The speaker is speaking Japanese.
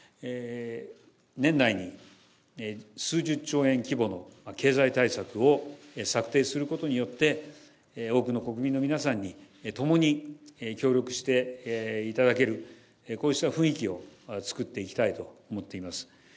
年内に、数十兆円規模の経済対策を策定することによって、多くの国民の皆さんにともに協力していただける、こうした雰囲気を作っていきたいと思っています。